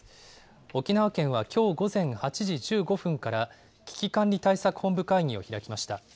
沖縄県はきょう午前８時１５分から、危機管理対策本部会議を開きました。